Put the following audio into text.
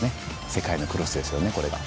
世界のクロスですよね、これが。